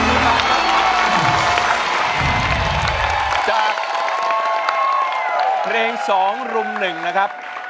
จากเพรง๒ลุม๑นะครับ